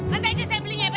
nanti aja saya belinya peh